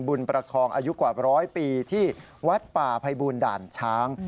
ประคองอายุกว่าร้อยปีที่วัดป่าภัยบูลด่านช้าง